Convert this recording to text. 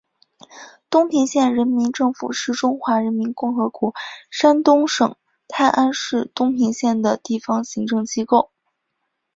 东平县人民政府是中华人民共和国山东省泰安市东平县的地方行政机构。